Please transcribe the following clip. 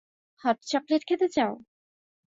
Hot chocolate খেতে চাও?